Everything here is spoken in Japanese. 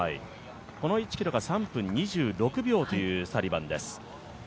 この１ｋｍが３分２６秒というサリバンです。